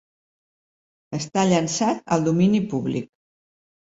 Està llançat al domini públic.